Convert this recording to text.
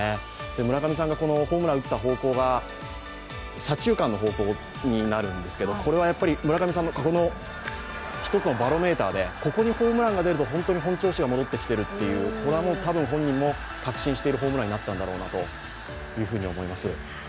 村上さんがホームランを打った方向が左中間になるんですけど、これは村上さんの一つのバロメーターで、ここでホームランが出ると本調子が出てきているというこれはたぶん本人も確信しているホームランになったんだろうと思います。